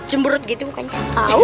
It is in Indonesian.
cembrut gitu mukanya